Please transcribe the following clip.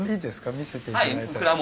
見せていただいても。